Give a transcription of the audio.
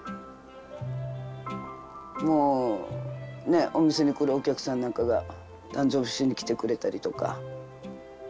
もうお店に来るお客さんなんかが誕生日しに来てくれたりとか。